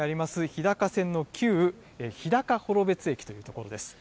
日高線の旧日高幌別駅という所です。